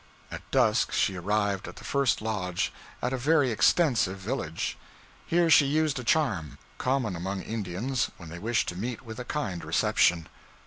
At dusk she arrived at the first lodge of a very extensive village. Here she used a charm, common among Indians when they wish to meet with a kind reception.